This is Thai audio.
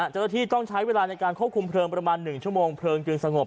เจ้าหน้าที่ต้องใช้เวลาในการควบคุมเพลิงประมาณ๑ชั่วโมงเพลิงจึงสงบ